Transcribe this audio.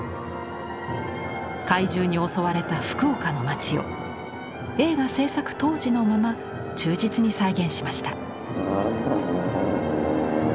怪獣に襲われた福岡の街を映画製作当時のまま忠実に再現しました。